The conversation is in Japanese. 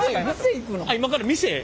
今から店へ？